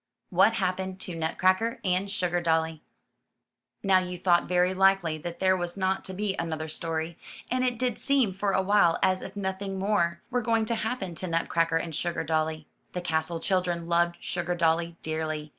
WHAT HAPPENED TO NUTCRACKER AND SUGARDOLLY Now you thought very likely that there was not to be another story, and it did seem for a while as if nothing more were going to happen to Nutcracker and Sugardolly. The castle children loved Sugardolly dearly.